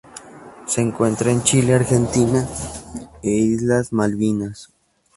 Se encuentra en Chile, Argentina e Islas Malvinas.